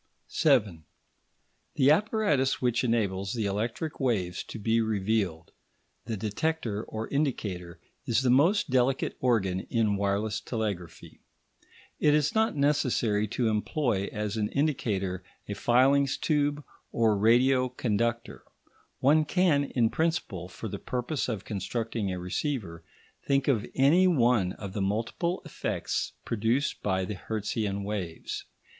§ 7 The apparatus which enables the electric waves to be revealed, the detector or indicator, is the most delicate organ in wireless telegraphy. It is not necessary to employ as an indicator a filings tube or radio conductor. One can, in principle, for the purpose of constructing a receiver, think of any one of the multiple effects produced by the Hertzian waves.